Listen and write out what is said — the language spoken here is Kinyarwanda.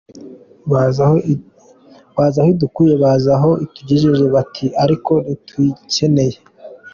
Bazi aho idukuye bazi aho itugejeje, bati ariko ntitukiyikeneye.